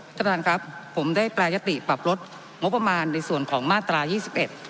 ท่านประธานครับผมได้แปรยติปรับลดงบประมาณในส่วนของมาตรายี่สิบเอ็ด